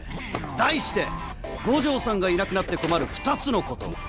題して「五条さんがいなくなって困る２つのこと」。